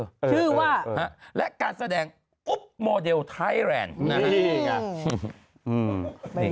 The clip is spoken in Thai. ชื่อว่าและการแสดงโมเดลไทยแรนด์นะฮะอื้อ